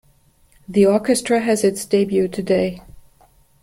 The orchestra has its debut today.